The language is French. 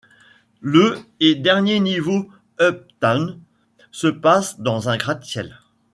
Le et dernier niveau, Up Town, se passe dans un gratte-ciel.